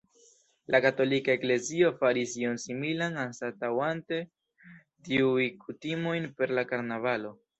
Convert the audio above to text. La katolika eklezio faris ion similan anstataŭante tiujn kutimojn per la karnavalo.